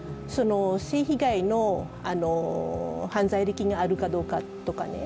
性被害の犯罪歴があるかどうかとかね。